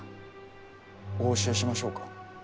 お教えしましょうか？